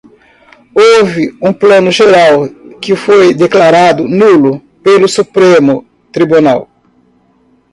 Houve um Plano Geral que foi declarado nulo pelo Supremo Tribunal.